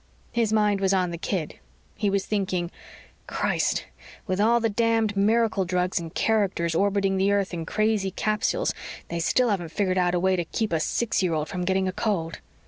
His mind was on the kid. He was thinking, _Christ! With all the damned miracle drugs and characters orbiting the earth in crazy capsules, they still haven't figured out a way to keep a six year old from getting a cold.